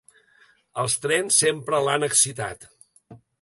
Els trens sempre l'han excitat.